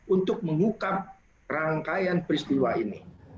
untuk mengungkap rangkaian peristiwa ini